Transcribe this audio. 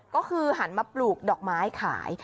ก็คือหันมาปลูกดอกไม้ขาย